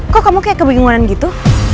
kok kamu kayak kebingungan gitu